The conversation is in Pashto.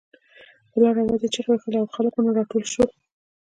په لوړ آواز یې چغې وهلې او خلک ورنه راټول شول.